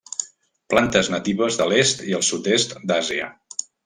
Plantes natives de l'est i el sud-est d'Àsia.